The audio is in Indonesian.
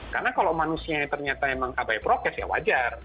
karena kalau manusianya ternyata memang abai prokes ya wajar